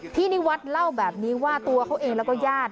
นิวัฒน์เล่าแบบนี้ว่าตัวเขาเองแล้วก็ญาติ